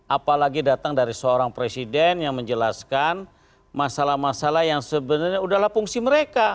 apalagi datang dari seorang presiden yang menjelaskan masalah masalah yang sebenarnya udahlah fungsi mereka